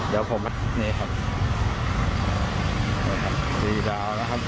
เดี๋ยวผมนี่ครับ